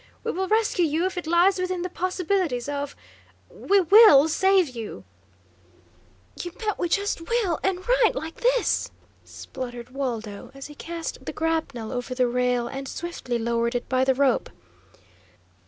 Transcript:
We will rescue you if it lies within the possibilities of we WILL save you!" "You bet we just will, and right like this," spluttered Waldo, as he cast the grapnel over the rail and swiftly lowered it by the rope.